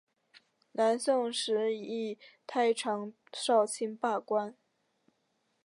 南宋时以太常少卿罢官。